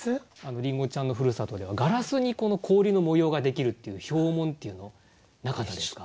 りんごちゃんのふるさとではガラスに氷の模様ができるっていう氷紋っていうのなかったですか？